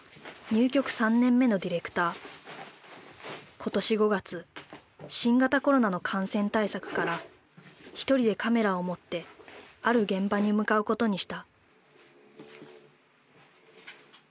今年５月新型コロナの感染対策から一人でカメラを持ってある現場に向かうことにした。